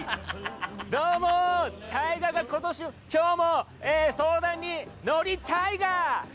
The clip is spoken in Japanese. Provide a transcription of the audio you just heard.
どうも、ＴＡＩＧＡが今日も相談に乗りＴＡＩＧＡ！